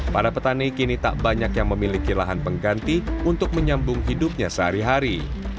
para petani kini tak banyak yang memiliki lahan pengganti untuk menyambung hidupnya sehari hari